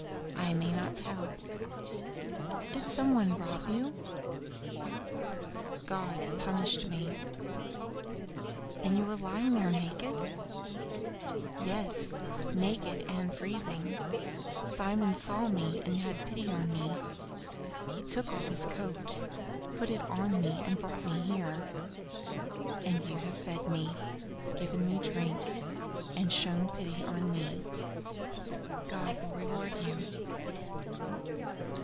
"I may not tell." "Did some one rob you?" "God punished me." "And you were lying there naked?" "Yes, naked and freezing. Simon saw me and had pity on me. He took off his coat, put it on me and brought me here. And you have fed me, given me drink, and shown pity on me. God will reward you!"